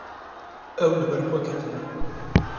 Ew li ber xwe ketine.